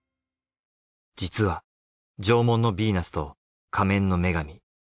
実は『縄文のビーナス』と『仮面の女神』。